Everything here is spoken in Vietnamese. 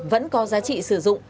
vẫn có giá trị sử dụng